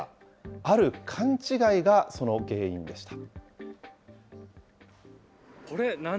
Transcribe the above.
ある勘違いがその原因でした。